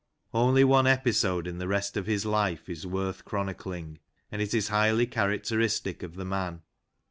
Only one episode in the rest of his life is worth chronicling, and it is highly characteristic of the man.